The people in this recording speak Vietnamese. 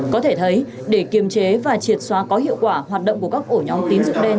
có thể thấy để kiềm chế và triệt xóa có hiệu quả hoạt động của các ổ nhóm tín dụng đen